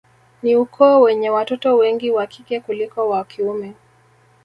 Ni ukoo wenye watoto wengi wa kike kuliko wa kiume